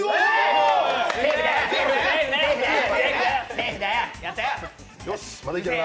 セーフだよ！